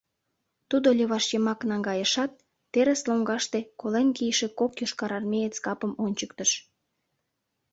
Тудо леваш йымак наҥгайышат, терыс лоҥгаште колен кийыше кок йошкарармеец капым ончыктыш.